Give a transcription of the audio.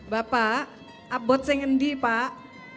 bapak abot sengendi pak